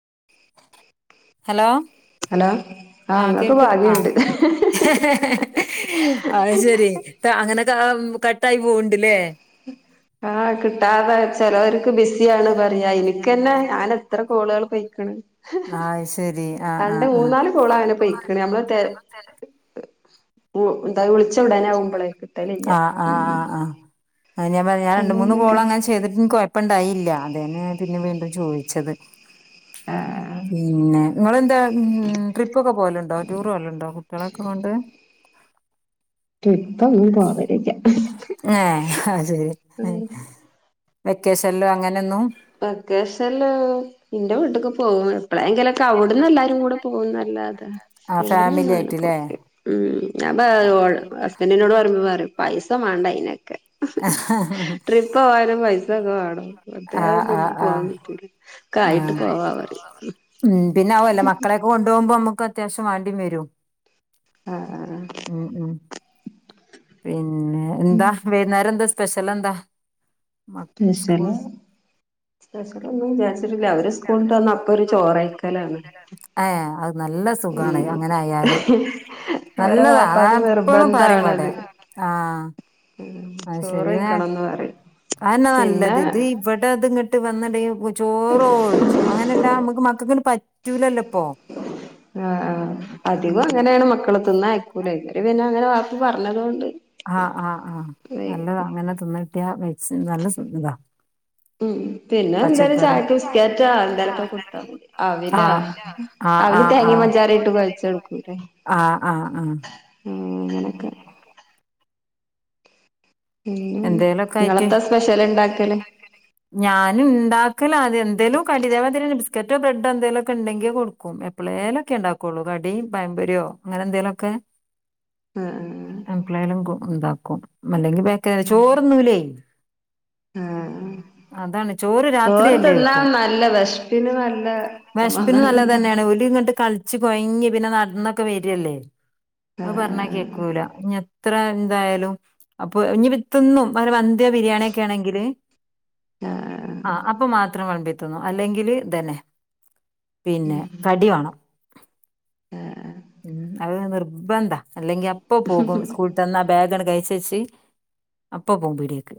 [unintelligible] Hello, hello ആഹ് ആഹ, ഇങ്ങക്ക് കേൾക് ആ, ഭാഗ്യണ്ട് ഹെ ഹെ ഹെ അ അ് ശെരി, പ്പ അങ്ങനെ ആ കട്ടായി പോവ്‌ൻണ്ട്ലെ? ആഹ, കിട്ടാതെ ചെലോർക്ക് ബിസിയാണ് പറയാ. ഇനിക്കെന്നെ ഞാൻ എത്ര കോളുകൾ. പൊയ്ക്ക്ണ്. ആഹ് ശരി ആഹ് രണ്ട്, ആഹ് ആഹ് മൂന്നാല് കോളങ്ങനെ പൊയ്ക്കണ്. നമ്മള് തെ... ഉ എന്തായ വിളിച്ച ഉടനാവുമ്പോളേ കിട്ടലില്ല. ഉം. ആ ഞാൻ പറയാ ഞാൻ രണ്ട്, മൂന്ന് പിന്നെന്തൊക്കെ കോളങ്ങനെ ചെയ്തിട്ട് ഇൻക് കൊയപ്പം ഇണ്ടായില്ല. അതേന്നേ. പിന്നെ വീണ്ടും ചോയ്ച്ചത്. ആഹ, പിന്നെ നിങ്ങെന്താ മ് ട്രിപ്പൊക്കെ പോലുണ്ടോ? ടൂർ പോലുണ്ടോ കുട്ടികളൊക്കെ കൊണ്ട്.? [inaudible] ട്രിപ്പൊന്നും പോവലില്ല ഏ, അത്, ഹ് ഉം വെക്കേഷൻലോ അങ്ങനൊന്നും. വെക്കേഷൻല് ഇന്റെ വീട്ട്ക്ക് പോവാ.. എപ്പോങ്കിലൊക്കെ അവ്ട്ന്ന് എല്ലാരുംകൂടെ പോകുന്നല്ലാതെ ആഹ് ഇവടന്നൊന്നും ഫാമിലി അങ്ങനെ ആയിട്ട്ല്ലേ പോവൂല. മ് എ അപ്പൊ ഓൾ ഹസ്ബൻഡിനോട് പറിമ്പം പറിം പൈസ മാണ്ടേ അയ്നൊക്കെ. ക്കെ. ആഹ് ട്രിപ്പോവാനും പൈസ ഒക്കെ വാണം. ആഹ് [unintelligible] ആഹ് നമ്മക്ക് പോവാൻ ആഹ് പറ്റൂല ഒക്കായിട്ട് പോവാന്ന് പറിം. ഉം പിന്നെ അഉഅല്ല. മക്കളൊക്കെ കൊണ്ടു പോവ്മ്പോ നമുക്ക് അത്യാവശ്യം വേണ്ടി വരും. അ അ അ ഉം ഉം പിന്നെ ഉം എന്താ വൈനേരം എന്താ സ്പെഷ്യൽ എന്താ മ സ്കൂൾ സ്പെഷ്യൽ ഒന്നും വിചാരിച്ചിട്ടില്ല അവര് സ്കൂളിട്ട് വന്ന അപ്പൊ ഒരു ചോറെയിക്കലാണ് [unintelligible] അത് നല്ല സുഖമാണ് അങ്ങനായാല് അവരെ നല്ലത വാപ്പാക്ക് ഞാൻ എപ്പളും പറയും ഇവിടെ. നിർബന്ധാണത് ആ. ഉം ചോറ് കഴിക്കണെന്ന് പറയി അതെന്ന നല്ലത് ഇത് ഇവിടെ അത് ഇങ്ങോട്ട് വന്നട ചോറോഴിച്ചു അങ്ങനെല്ലാം നമ്മുക്ക് മക്കക്ക് പറ്റൂലല്ലോ ഇപ്പൊ ആ ആ അധികം ഉം അങ്ങനെയാണ് മക്കള തിന്നയക്കൂല ഇക്ക് പിന്നെ അങ്ങനെ വാക്ക് പറഞ്ഞത് കൊണ്ട് ആ ആ ആ നല്ലതാ അങ്ങനെ തിന്ന്ട്ടിയ വച്ച് നല്ല ഇതാ ഉം പിന്നെ എന്തായാലും പച്ചക്കറി ചായക്ക് ബിസ്കേറ്റോ എന്തായാലൊക്കെ കൊടുത്താ മതി അവിലേ ആഹ് ആഹ് അവല് ആഹ് തേങ്ങി ആഹ് പഞ്ചാരി ഇട്ട് കേഴച്ചേട്ക്കൂലെ ആഹ് ആഹ് ആഹ് അങ്ങനൊക്കെ പിന്നെന്താ എന്തേലൊക്കെ ആയിട്ട് നിങ്ങളെത്താ സ്പെഷ്യല് ഇണ്ടാക്കല് ഞാനും ഉണ്ടാക്കല് അത് എന്തേലും കടിേവ [unintelligible] ബസ്ക്കറ്റ് ബ്രെഡ് എന്തെലുക്കെ ഉണ്ടെങ്കി കൊടുക്കും എപ്പോഴേലൊക്കെ ഉണ്ടാക്കുള്ളൂ കടി പഴംപൊരിയോ അങ്ങനെ എന്തെങ്കിലൊക്കെ ആഹ് ആഹ് എപ്പ ളേലും ഉണ്ടാക്കും അല്ലെങ്കി [unintelligible] ഉം ചോറ് തിന്നൂലെ ആഹ് അതാണ് ചോറ് രാത്രിയല്ലേ തിന്നാ ചോയിക്കും നല്ല വെശ്പ്പിന് നല്ല വിഷപ്പിന് സമാധാനം നല്ല തന്നെ ഉണ്ടാവും [unintelligible] ച്ച കൊഴങ്ങി പിന്നെ നടന്നൊക്കെ വരല്ലേ അത് പറഞ്ഞാ ആഹ് കേക്കൂല ഇത്ര എന്തായാലും അപ്പൊ ഇനി ഇപ്പേ തിന്നും വ പുതിയ [unintelligible] ബിരിയാണിയൊക്കെ ആണെങ്കിൽ ആഹ് ആ ആഹ് അപ്പൊ മാത്രം വളമ്പ ന്നു അല്ലെങ്കിൽ ഇതന്നെ പിന്നെ കടി വേണം ആഹ് ഉം അത് നിർബന്ധ അല്ലെങ്കിൽ അപ്പോ പോകും സ്കൂൾ വിട്ട് വന്ന ബാഗാണ് കഴ ചെച്ച് അപ്പം പോകും പീടിയേക്ക്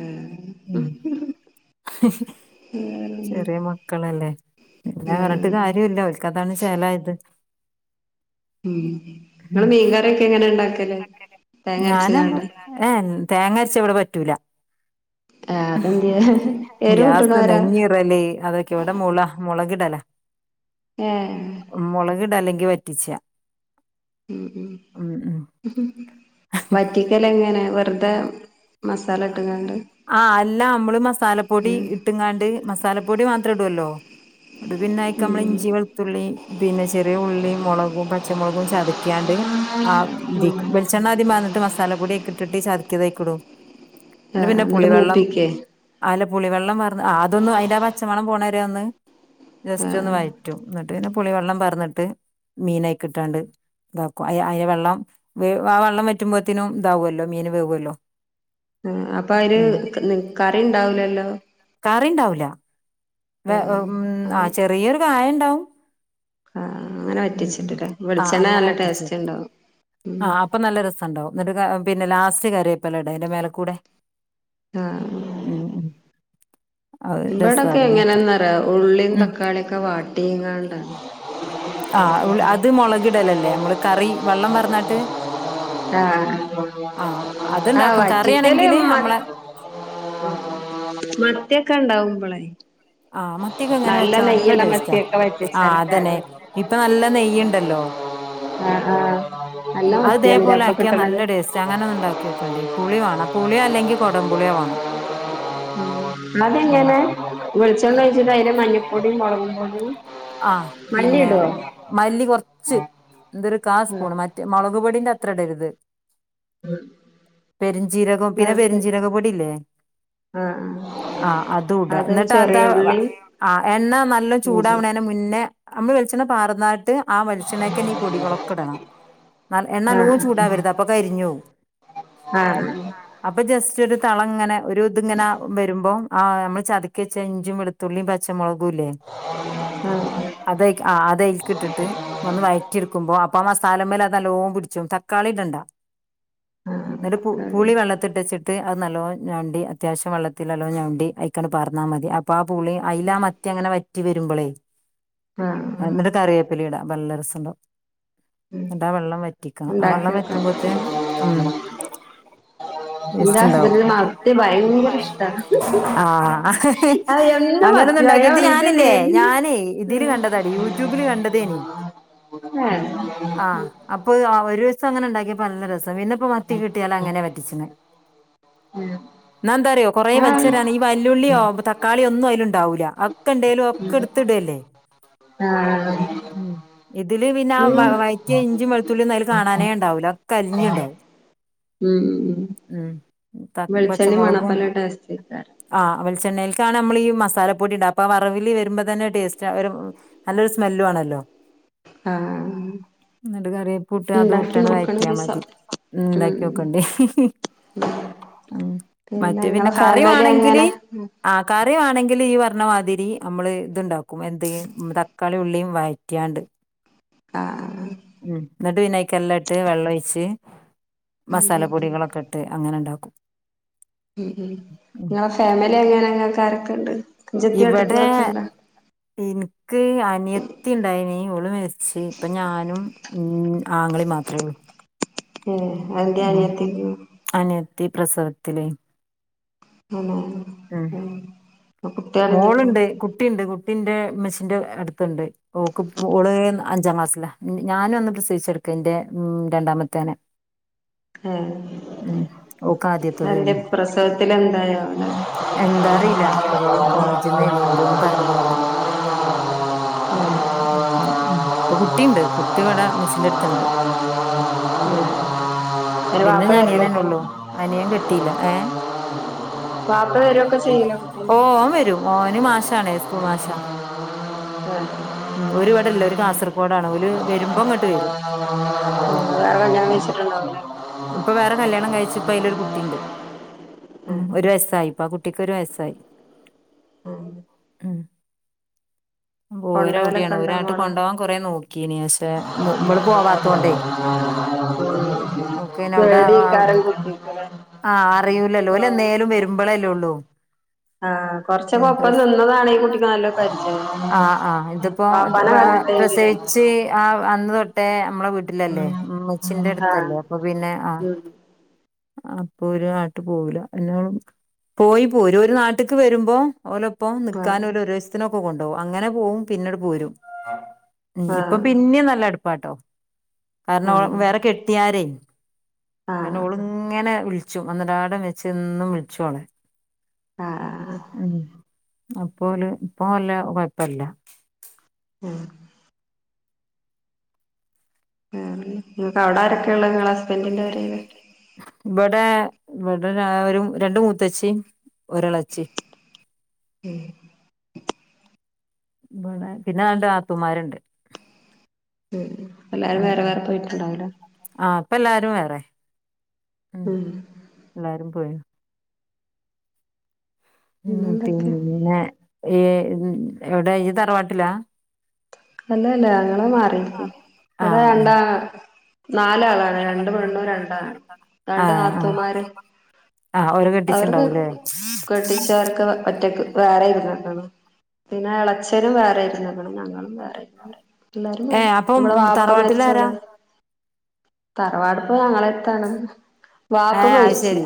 ഉം ചെറിയ മക്കളല്ലേ പിന്നെ പറഞ്ഞിട്ട് ആഹ് കാര്യം ഇല്ല ഓൽക്ക് അതാണ് ചലായത് ഉം ഇങ്ങള് മീൻകറിയൊക്കെ എങ്ങനെണ്ടാക്ക ഞാനും ഏ തേങ്ങരച്ചത് ഇവിടെ പറ്റൂല ആഹ് അതെന്ത്യേ എരു ഗ്യാസ് കൂട്ട്ണോരാ നെഞ് നീറൽ അതൊക്കെ ഇവിടെ മുള മുളകി ഇടല ഏഹ് മുളകിടാ അല്ലെങ്കിൽ വറ്റിച്ചാ ഉം ഉം. വറ്റിക്കൽ എങ്ങനെ വെറുതെ മസ ആ അല്ല നമ്മള് മസാലപ്പൊടി ഉം ഇട്ടുങ്ങാണ്ട് മസാലപ്പൊടി മാത്രം ഇടുല്ലോ അപ്പം പിന്നെ ആയിക്ക് നമ്മൾ ഉം ഇഞ്ചി വെളുത്തുള്ളി പിന്നെ ചെറിയ ഉള്ളി മുളകും പച്ചമുളകും ചതക്കൻ ആ ഇതി ക്ക്‌ വെളിച്ചെണ്ണ ആദ്യം പറന്നിട്ട് മസാല പൊടി അയിക്ക് ഇട്ടിട്ട് ഈ ചാതകിയത് അയിക്ക് ഇടും ഇങ്ങട് ആഹ് പിന്നെ ഇന്നട്ട് പുളിവെള്ളം മൂപ്പിക്കേ ആ പുളി വള്ളം പറന്ന് അതൊന്ന് അതിന്റെ പച്ചമണം പോണ വരെ ഒന്ന് ജസ്റ്റ് ഒന്ന് ആഹ് വയറ്റും ഇങ്ങട് പിന്നെ പുളി വള്ളം പർന്നിട്ട് മീനയി കിട്ടാണ്ട് ഇതാക്കും അയ അതി വെള്ളം വ ആ വെള്ളം വറ്റുമ്പോത്ത്നും ഇതാവുമല്ലോ മീന് വേവോല്ലോ. ആ അപ്പൊ അതില് കറി ഉണ്ടാവുലല്ലോ കറി ഉണ്ടാവൂല ഉം ആ ചെറിയൊരു കായ ഉണ്ടാവും ആഹ് അങ്ങനെ ഉം ഉം വറ്റിച്ചിട്ട്ല്ലേ ആ വെളിച്ചെണ്ണ അങ്ങനെ നല്ല വറ്റിച്ച് ടേസ്റ്റ് വെക്കും ഇണ്ടാവും ഉം ആ അപ്പൊ നല്ല രസം ഉണ്ടാവും എന്നിട്ട പിന്നെ ലാസ്റ്റ് കരയേപ്പലടാ അതിന്റെ മേലക്കൂടെ. ആഹ് അത് ഇബടൊക്കെ രസാറിണേക്കാം എങ്ങനെന്നറിയോ ഉള്ളിം ഉം തക്കാളിഒക്കെ വാട്ടിങ്ങാണ്ട ആ അത് മുളക്ടലല്ലേ മ്മള് കറി വെള്ളം വാർന്നട്ട് ആഹ് ആഹ് ആ അത്ണ്ടാക്കും വറ്റിക്കല് കറിയാണെങ്കില് മതി നമ്മളെ മത്തിയൊക്കെ ഉണ്ടാവുമ്പളേ ആഹ് മത്തിക്കെ ഇങ്ങനെ വെച്ചാ നല്ല ടേസ്റ്റാ മത്തിയൊക്കെ ആ വറ്റിച്ചാല് അതന്നെ ഇപ്പൊ നല്ല നെയ്ണ്ടല്ലോ ആ ആ ഉം അതേപോലെ ആക്കിയാ നല്ല ടേസ്റ്റാ അങ്ങനെ ഒന്ന് ണ്ടാക്കിയൊക്കണ്ടി പുളി വേണം പുളിയല്ലെങ്കി കുടം പുളിയോ വാണം അതെങ്ങനെ വെളിച്ചെണ്ണൊഴിച്ചിട്ട് അതില് മഞ്ഞപ്പൊടീം മുളകുപൊടിം ആ പിന്നെ മല്ലി കുറച്ച് എന്തരു കാ ആഹ് സ്പൂണ് മറ്റ് മുളക് പൊടിന്റെ അത്ര ഇടരുത് പെരുംഞ്ജീരകം പിന്നെ ന്നട്ട് പെരഞ്ജീരക പൊടില്ലേ ആഹ് ആഹ് ആ അതൂട അത് എന്നിട്ട് അതാ ചെറിയ ഉള്ളിയും ആ എണ്ണ നല്ല ഇഞ്ചിയും ചൂടാവണ മ്മള് വിളിച്ചണ്ണ പാറന്നാട്ട് ട്ട് ആ വലിച്ചെണ്ണക്കെന്നീ പൊടികളക്കെ ഇടണം എണ്ണ നല്ലോം ചൂടാവരുത് അപ്പൊ കരിഞ്ഞു പോവും ആ ആ അപ്പൊ ജസ്റ്റ് ഒരു തള ഇങ്ങനെ ഒരു ഇതിങ്ങനെ വരുമ്പോ ആ നമ്മള് ചതക്കിവെച്ച ഇഞ്ചും വെളുത്തുള്ളിയും പച്ചമുളകുംല്ലേ ആഹ് അത് അയിൽ ആ അത് അയിൽക്കിട്ടിട്ട് ഒന്ന് വയറ്റിടുക്കുമ്പോ ആ മസാലമ്മല് അത് നല്ലോ പിടിച്ചും തക്കാളി ഇടണ്ട ആഹ് ന്നട്ട് തക്കാളി പുളി വെള്ളത്തിട്ടച്ചിട്ട് അത് നല്ലോ ഞണ്ടി അത്യാവശ്യം വെള്ളത്തിലല്ലോ ഞണ്ടി ഐക്ക് പാർന്നാൽ മതി അപ്പൊ ആ പുളി അയില മത്തി അങ്ങനെ വറ്റി പറ്റി വരുമ്പളേ ആഹ് ആഹ് എന്നിട്ട് കറി വേപ്പിലടാ നല്ല രസണ്ടാവും ഉം എന്ന്ട്ടാ വെള്ളം വറ്റിക്കാം ആ വെള്ളം ഉണ്ടാക്കിയോക്കാം വറ്റുമ്പോത്തെ ഉം [inaudible] എന്റെ ടേസ്റ്റ്ണ്ടാവും ഹസ്ബന്റിന് മത്തി ഭയങ്കര ഇഷ്ടാ ആ അത് എന്ത് അങ്ങന മത്തിയോ ഞാൻ ണ്ടാക്കിയത് പറയും ഇത് ഞാനല്ലേ ഞാനേ ഇതില് കണ്ടതാടി യൂട്യൂബില് കണ്ടതേനി ഉം ആഹ് ആ അപ്പൊ ആ ഒരു ദിവസം അങ്ങനെ ഉണ്ടാക്കിയപ്പം നല്ല രസം പിന്നപ്പോ മത്തി കിട്ടിയാൽ അങ്ങനെ വറ്റിച്ച്ണത് കുറേ വൽച്ചറിയാണ് ഈ വല്ലുള്ളിയോ തക്കാളിയോ ഒന്നും അതിലുണ്ടാവൂല ഒക്കെ ണ്ടേൽ ട്ത്തിടല്ലേ ആഹ് ഉം എ തില് പിന്നെ ഉം വയറ്റിയ ഇഞ്ചും വെളുത്തുള്ളിയും ഒന്നും അയിൽ കാണാനേ ഉണ്ടാവൂല കരിഞ്ഞ് ഉണ്ടാവും ഉം ഉം ഉം വെളിച്ചെണ്ണേം പച്ചമുളകും മണപ്പല്ല ടേസ്റ്റേക്കാരം ആ വെളിചെണ്ണൈൽ നമ്മളീ മസാലപ്പൊടി ഇട അപ്പം ആ വറവില് വരുമ്പ തന്നെ ടേസ്റ്റ നല്ലൊരു [unintelligible] സ്മെല്ലു ആണല്ലോ ആഹ് ന്നിട്ട് കറിവേപ്പൂട്ട് അതും ഉണ്ടാക്കി ഇട്ടാണ് നോക്കണം വയറ്റ്യാ ഒരീസം മതി ഉം ഇണ്ടാക്കി നോക്കണ്ടേ ഉം മറ്റേ പിന്നെ ഇങ്ങളെ ഫാമിലി കറിവാണെങ്കില് എങ്ങനെ ആ കറിവാണെങ്കിൽ ഈ പറ പറിണമാതിരി നമ്മള് ഇത്ണ്ടാക്കും എന്ത് തക്കാളി ഉള്ളിയും വഴറ്റ്യാണ്ട് ആഹ് ആ ഉം എന്നിട്ട് പിന്നെ അയക്ക് എല്ലാം ഇട്ട് വെള്ളം ഒഴിച്ച് ഉം ഉം ഉം മസാലപ്പൊടികളൊക്കെ ഇട്ട് അങ്ങനെ ണ്ടാക്കും ഉം ഉം ങ്ങളെ ഫാമിലി എങ്ങനെ ഇങ്ങക്കാരൊക്കെണ്ട്? അഞ്ചത്തി ഇവടെ ഏട്ടത്തിയാളൊക്കെണ്ടോ ഇൻക്ക് അനിയത്തി ഇണ്ടായിനി മരിച്ച് ഇപ്പ ഞാനും ഉം ആങ്ങളേ മാത്രമേ ഉള്ളു ഏ എന്ത്യോനിയത്തിക്ക്? ത്തി പ്രസവത്തിലെ ആ ഉ മോള്ണ്ട് കുട്ടിണ്ട് കു ന്റെമ്മെച്ചീന്റെടുത്തുണ്ട്! ഓക്ക്പ്പോ ഓൾ അഞ്ചാം ക്ലാസ്സിലാ ഞാനും അന്ന് പ്രസവിച്ചേട് [unintelligible] ഉം രണ്ടാമത്തേനെ ഏഹ് ഉം ഓക് അന്റെ ആദ്യത്തെതേയ്ന്ന് പ്രസവത്തില് എന്തായോ അവിടെ എന്താറിയില്ല ല്ല അത് കോളേജിൽ നിന്നെനി അവരൊന്നും പറഞ്ഞില്ല. അപ്പം ഉ ഇപ്പൊ കുട്ടിയുണ്ട് കുട്ടിവടെ ഉമ്മച്ചിന്റെ അടുത്ത് ത്തുണ്ട് അന്റെ പിന്നെ വാപ്പ വരലൊക്കെ അനിയനന്നെള്ളൂ അനിയൻ കെട്ടീല്ല. ഏ വാപ്പ വരൊക്കെ [unintelligible] മോന് മാഷാണ് സ്‌കൂൾ മാഷാ, ഉം ഓര് വടെല്ലാ ഓര് കാസർകോടാണ് ഓല് വരുമ്പോ ഇങ്ങോട്ട് വരും. ഏഹ് വേറെ കല്യാണം ഉം കഴിച്ചിട്ടുണ്ടാവൂലേ ഇപ്പൊ വേറെ കല്യാണം കഴിച്ചപ്പയിലൊരു കുട്ടി ട്ടിണ്ട്, ഉം ഏഹ് ഒരു വയസായിപ്പാകുട്ടിക്ക് ഒരു വയസായി ഏഹ് ഉം ഒരാവിടേണ് കൊണ്ടോവലൊക്കെ ഉണ്ടോ ഒരാങ്ങോട്ട് മോളെ കൊണ്ടോവാൻ കൊറ നോക്കീനി പക്ഷെ മ്മള് പോവാത്തോണ്ടേ. ഓക്കെന്ന വിടെ പേടിയേക്കാരം കുട്ടിക്ക്‌ല്ലേ ആ അറിയൂലല്ലോ. ഓല് പോവാൻ എന്നേലും വരുമ്പോളല്ലെള്ളൂ. ആഹ്, കൊറച്ചൊക്ക ഒപ്പം നിന്നതാണ് ഈ കുട്ടിക്ക് നല്ലോം പരി ആ ആ ഇത്പ്പോ കണ്ടിട്ടെങ്കിലും പ്രസവിച്ച് ആ അന്ന് തെട്ടോ മ്മളെ വീട്ടിലല്ലേ, ഇമ്മച്ചിന്റെ ആഹ് അടുത്തല്ലേ അപ്പൊ പിന്നെ ആ ഉം അപ്പൊ ഓര് നാട്ട് പോവൂല എന്നോ പോയി പോരു. ഒരു നാട്ട്ക്ക് വരുമ്പോ ഓലപ്പം ആഹ് നിക്കാനും ഒരീസത്തിനൊക്കെ കൊണ്ടോവും, അങ്ങനെ പോവും പിന്നട്പോരും. ഉം ഇപ്പൊ ആഹ് പിന്നിം നല്ല അടുപ്പാട്ടോ കാരണം ആഹ് വേറെ കെട്ടിയാരെ കാരണം ആഹ് ഓള് ഇങ്ങനെ വിളിച്ചും ഒന്നരാടം വെച്ചു എന്നും വിളിച്ചുങ്ങനെ. ആഹ് ആഹ് ഉം അപ്പോല് ഇപ്പ വല്ല്യ കുഴപ്പല്ല. ഉം വേറെന്ത ങ്ങക്ക് അവിട ആരൊക്കെ ഉള്ളെ? നിങ്ങള ഹസ്ബന്റിന്റെ പൊരേല്? ഇവിടെ ഇവിടെ ഒരു രണ്ട് മൂത്തച്ചിം, ഒരെളീംച്ചിം. ഹേ ബടെ പിന്നെ രണ്ട് നാത്തൂമാര്ണ്ട്. ഉം എല്ലാരും വേറെ വേറെ പോയിട്ടുണ്ടാവൂലോ? പ്പ എല്ലാരും വേറെ, ഉം എല്ലാരും പോയി ഉം പിന്നെന്തൊക്കെ പിന്നെ ഈ അവിടെ ഈ തറവാട്ടിലാ? അല്ലല്ല ഞങ്ങള് മാറിര്ക്കുണു ഇവിടെ ആഹ് രണ്ടാങ്ങള നാലാളാണ് രണ്ട് പെണ്ണും, രണ്ടാണും, രണ്ട് ആഹ് ആഹ് നാത്തൂമാര്. ആഹ് ഓരെ അവരൊക്കെ കെട്ടിച്ചിണ്ടാവൂലേ കെട്ടിച്ചോരൊക്കെ ഒറ്റക്ക് വേറെ ഇരുന്ന്ക്ക്ണ് പിന്നെ ഇളെച്ചനും വേറെ ഇരുന്ന്ക്ക്ണ് ഞങ്ങളും വേറെ ഇരുന്നു എല്ലാരും മാറി ഏഹ് അപ്പം ഇവിടെ വാപ്പ തറവാട്ടിലാരാ മരിച്ചോളെ തറവാട്പ്പ ഞങ്ങളെടുത്താണ്. ഏ വാപ്പ അത് മരിച്ച്, ശരി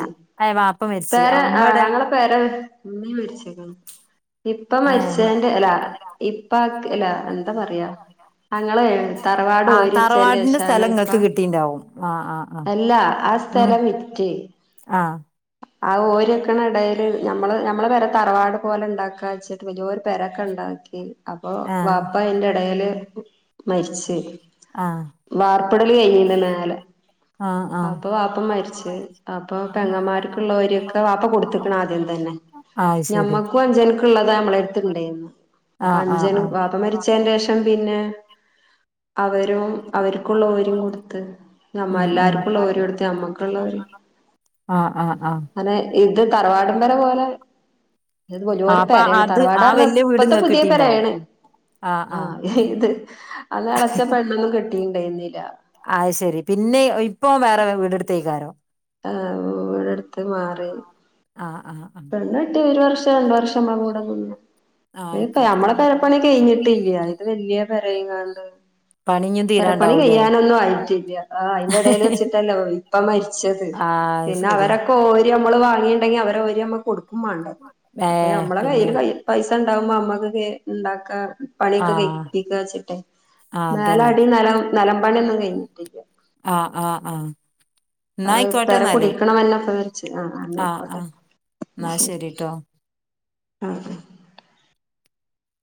ഏ വാപ്പ മരിച്ച് പെര ആ ഉമ്മടെ ഞങ്ങളെ പേരെ ഉമ്മീം മരിച്ച്. ഇപ്പ ഏ മരിച്ചന്റെ അല്ല ഇപ്പാക് അല എന്താ പറയാ? ഞങ്ങള് തറവാട് ആ തറവാടിന്റെ ഓരിച്ചേൻ്റേഷാണ് സ്ഥലം ഇപ്പ ഇങ്ങക്ക് കിട്ടിണ്ടാവും ആ ആ ആ അല്ല ആ സ് ഉം സ്ഥലം വിറ്റ് ആ ആ ഓരിക്കണ എടേല് നമ്മള് നമ്മള് വരെ തറവാട് പോലെ ഉണ്ടാക്കാച്ചിട്ട് വല്യോര് പെരൊക്കെണ്ടാക്കി അപ്പൊ ആ വാ ഇടൽ മരിച്ച് ആ വാർപ്പിടൽ കഴിഞ്ഞുന്ന മേലെ ആ ആ അപ്പൊ വാപ്പ മരിച്ച് അപ്പൊ പെങ്ങമാർക്കുള്ള ഓരിഒക്കെ വാപ്പ കൊടുത്തക്കണ ആദ്യം തന്നെ അത് ശരി ഞമ്മക്കും അഞ്ചനക്കള്ളതാ മ്മളടുത്തണ്ടായേ ആ അപ്പൊ ആ അന്ജൻ ആ പാപ്പ മരിച്ച് ച്ചേന് ശേഷം പിന്നെ അവരും അവർക്കുള്ള ഓരിയും കൊടുത്ത് നമ്മ ഉം ഉം എല്ലാർക്കുള്ള ഓരിയടുത്ത് നമ്മൾക്കുള്ള ഓരി ആ ആ ആ അനെ ഇത് തറവാടും പേര പോലെ ഇത് ആ വലിയൊരു അപ്പൊ പെരെയാണ് അത് ആ തറവാടാറ്ന്ന് വല്യ വീട് ഇപ്പത്തെ ഇങ്ങക്ക് പുതിയ കിട്ടിണ്ടാവും പേരയാണ്. ആ ആ ആഹ് ഇത് അത് എളച്ച പെണ്ണൊന്നും കെട്ടിയിട്ടുണ്ടായിരുന്നില്ല അത് ശെരി പിന്നെ ഇപ്പൊ വേറെ വീടെടുത്തേക്കാരോ ങ് ഇടെടുത്ത് മാറി ആ ആ ആ പെണ്ണേട്ടി ഒരു വർഷം രണ്ട വർഷം മ്മമും ഒന്ന് ആ ഇത് ആയിക്കോട്ടെ നമ്മള പെരപ്പണി കഴിഞ്ഞിട്ടില്ല ഇത് വല്യാ പെരയുംങ്ങണ്ട് പണി ഇഞ്ഞും പെരപ്പണി തീരാണ്ടാവൂലേ കയ്യാനൊന്നും ആയിട്ടില്ല ആ അതിന്റെ ഇടയിൽ വെച്ചിട്ടല്ലോ ഇപ്പ മരി ച്ചത് ആ അത് പിന്നെ ശരിയാ അവരൊക്കെ ഓരി നമ്മള് വാങ്ങിട്ടുണ്ടെങ്കി അവര് ഓരി നമ്മ കൊടു മാണ്ട ഏ അപ്പൊ ഞമ്മളെ പിന്നെ കയ്ൽ പൈസ ഉണ്ടാവുമ്പോ ഞമ്മക്കകേ ഉണ്ടാക്കാ പണിയൊക്കെ ആ കഴപ്പിക്ക വെച്ചിട്ടെ ആ മേല അതന്നെ അടി നെലം നെലം പണിയൊന്നും കഴിഞ്ഞിട്ടില്ല ആഹ് ആഹ് ആഹ് അത് പെര കുടിക്കണം എന്നന്നപ്പ വച്ച് ആ അന്നയിക്കോട്ടെ ന്നാ ശരിട്ടോ ആഹ്